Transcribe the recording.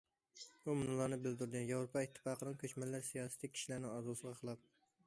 ئۇ مۇنۇلارنى بىلدۈردى: ياۋروپا ئىتتىپاقىنىڭ كۆچمەنلەر سىياسىتى كىشىلەرنىڭ ئارزۇسىغا خىلاپ.